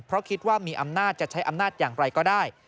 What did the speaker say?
เพราะคิดว่ามีอำนาจจะใช้อำนาจอย่างไรก็ได้